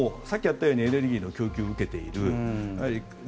さっき言ったようにエネルギーの供給も受けている。